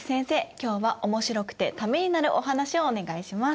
今日はおもしろくてためになるお話をお願いします。